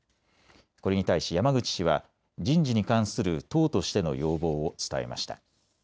これに対し山口氏は人事に関する党としての要望を伝えました。